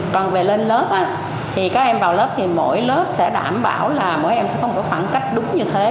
còn về lên lớp các em vào lớp thì mỗi lớp sẽ đảm bảo là mỗi em sẽ có một khoảng cách đúng như thế